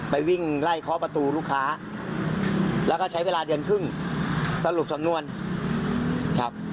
วิ่งไล่เคาะประตูลูกค้าแล้วก็ใช้เวลาเดือนครึ่งสรุปสำนวนครับ